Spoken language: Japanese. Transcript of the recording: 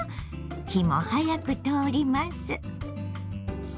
火も早く通ります。